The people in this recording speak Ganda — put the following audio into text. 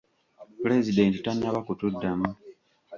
Pulezidenti tanaba kutuddamu.